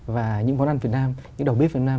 và những món ăn việt nam những đầu bếp việt nam